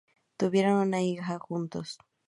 Tuvieron una hija juntos.